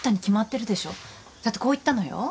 だってこう言ったのよ？